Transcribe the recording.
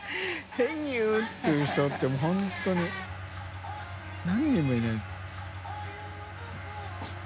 ヘイユー！」って言う人って本当に何人もいない。